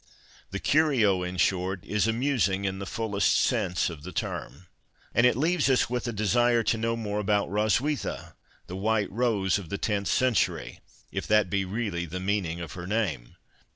The curio, in short, is amusing in the fullest sense of the term. And it leaves us with a desire to know more about Hroswitha, the " white rose " of the tenth century (if that be really the meaning of her name).